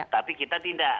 tapi kita tidak